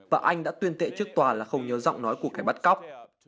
và anh đã tuyên tệ trước tòa là không nhớ giọng nói của kẻ bắt cóc